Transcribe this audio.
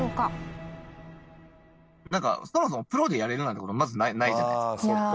そもそもプロでやれるなんて事まずないじゃないですか。